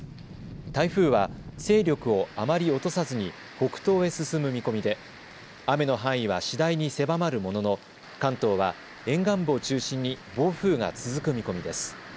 台風は勢力をあまり落とさずに北東へ進む見込みで雨の範囲は次第に狭まるものの関東は沿岸部を中心に暴風が続く見込みです。